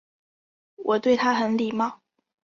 我对他很礼貌